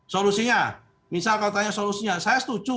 solusinya misal kalau tanya solusinya saya setuju